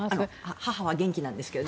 母は元気なんですけど。